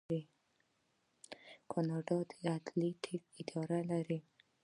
کاناډا د عدلي طب اداره لري.